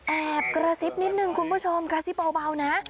แอบกระซิบนิดนึงคุณผู้ชมกระซิบเบานะ